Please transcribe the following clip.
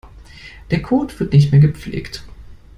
Der Code wird nicht mehr gepflegt.